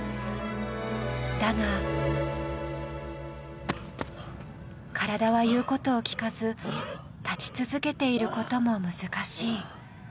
だが、体は言うことを聞かず、立ち続けていることも難しい。